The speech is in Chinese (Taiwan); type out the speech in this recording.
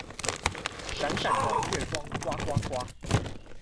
閃閃的月光呱呱呱